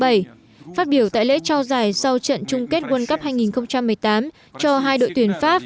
phát biểu tại lễ trao giải sau trận chung kết world cup hai nghìn một mươi tám cho hai đội tuyển pháp và hội đồng liên bang